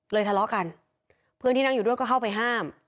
ทะเลาะกันเพื่อนที่นั่งอยู่ด้วยก็เข้าไปห้าม